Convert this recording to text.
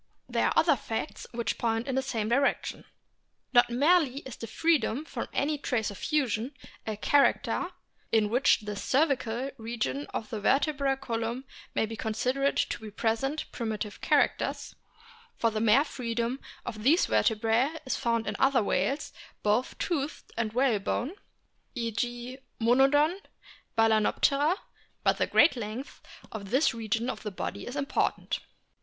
There are other facts which point in the same direction. Not merely is the freedom from any trace of fusion a character in which the cervical region of the vertebral column may be considered to present primitive characters for the mere freedom of these vertebrae is found in other whales, both toothed and whalebone (e g , Monodon, Baltznoptera) but the great length of this region of the body is important.